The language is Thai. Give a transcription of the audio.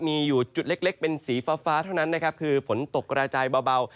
มีอยู่จุดเล็กเป็นสีฟ้าเท่านั้นนะครับคือฝนตกกระจายเบา